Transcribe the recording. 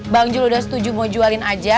bang jul udah setuju mau jualin aja